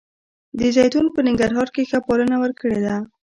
زیتون په ننګرهار کې ښه پایله ورکړې ده